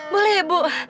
boleh ya bu